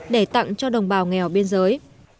để tặng cho đồng bào nghèo biên giới